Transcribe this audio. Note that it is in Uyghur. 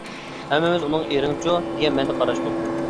ھەممىمىز ئۇنىڭغا ئېرىڭچۇ؟ دېگەن مەنىدە قاراشتۇق.